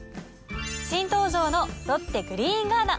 新登場のロッテグリーンガーナ。